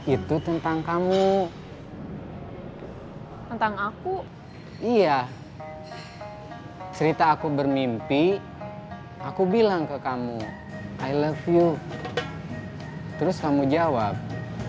itu tentang kamu tentang aku iya cerita aku bermimpi aku bilang ke kamu i love you terus kamu jawab